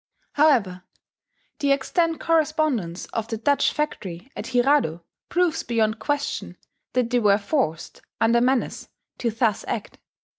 However, the extant correspondence of the Dutch factory at Hirado proves beyond question that they were forced, under menace, to thus act.